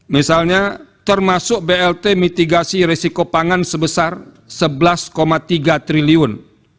misalnya termasuk blt mitigasi resiko pangan sebesar rp sebelas tiga triliun